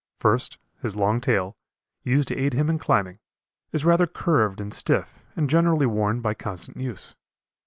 First, his long tail, used to aid him in climbing, is rather curved and stiff and generally worn by constant use.